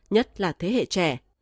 nhất là thế hệ trẻ